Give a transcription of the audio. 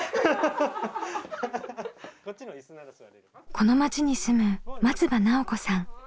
この町に住む松場奈緒子さん。